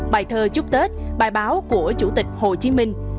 bài thơ chúc tết bài báo của chủ tịch hồ chí minh